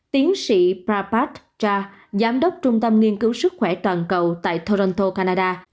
tiến sĩ prabhat jha giám đốc trung tâm nghiên cứu sức khỏe toàn cầu tại toronto canada